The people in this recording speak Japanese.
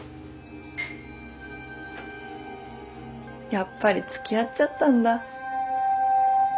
やっぱりつきあっちゃったんだ。